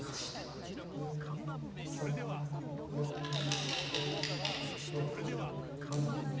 ２３４５６７。